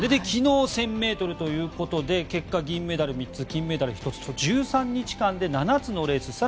昨日、１０００ｍということで結果、銀メダル３つ金メダル１つと１３日間で７つのレース。